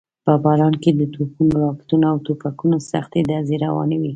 په باران کې د توپونو، راکټونو او ټوپکونو سختې ډزې روانې وې.